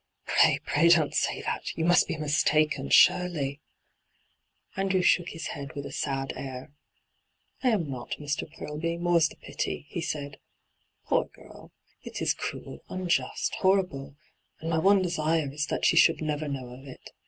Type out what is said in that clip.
' Fray, pray don't say that t You must be mistaken, surely !' Andrew shook his head with a sad air. ' I uu not, Mr. Purlby, more's the pity,' he said. ' Poor girl I It is cruel, unjust, horrible, and my one desire is that she should never know of it.